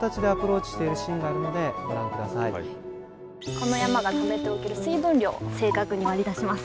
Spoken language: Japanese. この山がためておける水分量を正確に割り出します。